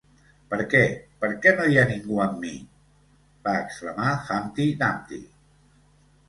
"Per què, perquè no hi ha ningú amb mi!" va exclamar Humpty Dumpty.